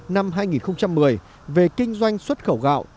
năm hai nghìn một mươi về kinh doanh xuất khẩu gạo